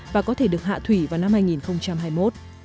và có thể được hạ thủy vào năm hai nghìn hai mươi một